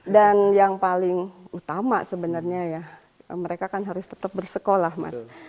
dan yang paling utama sebenarnya ya mereka kan harus tetap bersekolah mas